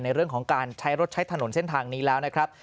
ในเรื่องของการใช้รถใช้ถนนเส้นทางนี้แล้วนะครับ